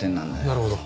なるほど。